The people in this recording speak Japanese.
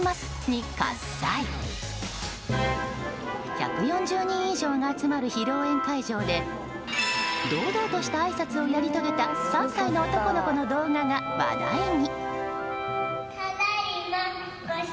１４０人以上が集まる披露宴会場で堂々としたあいさつをやり遂げた３歳の男の子の動画が話題に。